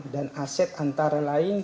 dan aset antara lain